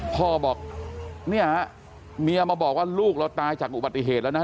พ่อบอกเนี่ยเมียมาบอกว่าลูกเราตายจากอุบัติเหตุแล้วนะ